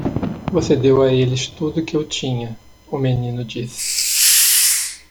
"Você deu a eles tudo o que eu tinha!" o menino disse.